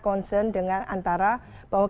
concern dengan antara bahwa